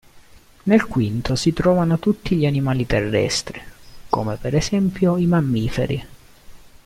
Nel quinto si trovano tutti gli animali terrestri, come per esempio i mammiferi.